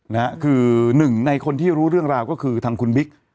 นะฮะคือหนึ่งในคนที่รู้เรื่องราวก็คือทางคุณบิ๊ก